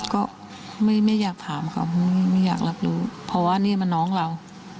ก็ไม่อยากถามเขาไม่อยากรับรู้เพราะว่านี่มันน้องเรา